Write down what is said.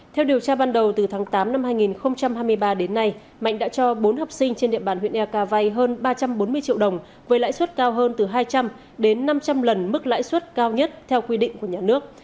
theo điều tra ban đầu từ tháng tám năm hai nghìn hai mươi ba đến nay mạnh đã cho bốn học sinh trên địa bàn huyện eak vay hơn ba trăm bốn mươi triệu đồng với lãi suất cao hơn từ hai trăm linh đến năm trăm linh lần mức lãi suất cao nhất theo quy định của nhà nước